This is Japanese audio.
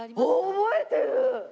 覚えてる？